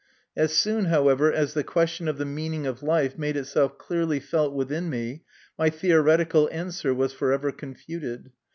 As soon, however, as the question of the meaning of life made itself clearly felt within me, my theoretical answer was for ever confuted.